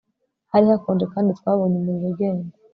Hari hakonje kandi twabonye umuriro ugenda